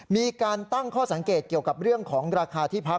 มีการตั้งข้อสังเกตเกี่ยวกับเรื่องของราคาที่พัก